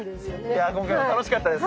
いや今回も楽しかったです。